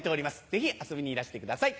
ぜひ遊びにいらしてください。